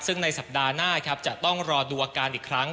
ซึ่งในสัปดาห์หน้าครับจะต้องรอดูอาการอีกครั้ง